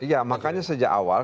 ya makanya sejak awal